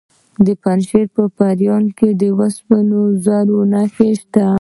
د پنجشیر په پریان کې د سپینو زرو نښې شته.